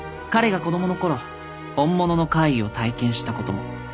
彼が子供の頃本物の怪異を体験したことも